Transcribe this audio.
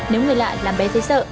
nếu người lạ làm bé dây sợ